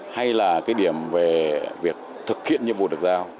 hay là cái điểm về việc thực hiện nhiệm vụ được giao